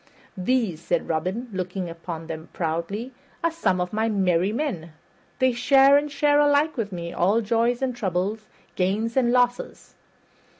"These," said Robin, looking upon them proudly, "are some of my merry men. They share and share alike with me all joys and troubles, gains and losses.